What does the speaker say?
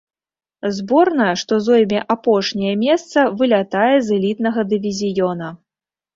Зборная, што зойме апошняе месца, вылятае з элітнага дывізіёна.